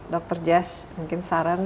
dr jess mungkin saran